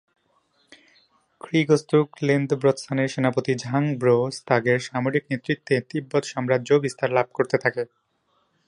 খ্রি-গ্ত্সুগ-ল্দে-ব্র্ত্সানের সেনাপতি ঝাং-'ব্রো-স্তাগের সামরিক নেতৃত্বে তিব্বত সাম্রাজ্য বিস্তার লাভ করতে থাকে।